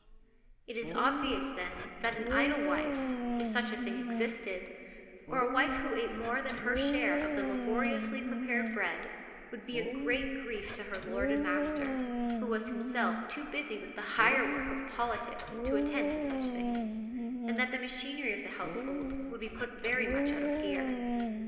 It is obvious, then, that an idle wife — if such a thing existed — or a wife who ate more than her share of the laboriously prepared bread, would be a great grief to her lord and master, who was himself too busy with the higher work of politics to attend to such things, and that the machinery of the house hold would be put very much out of gear.